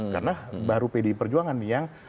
karena baru pdi perjuangan yang